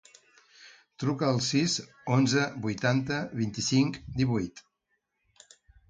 Truca al sis, onze, vuitanta, vint-i-cinc, divuit.